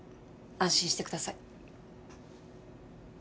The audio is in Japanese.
安心してください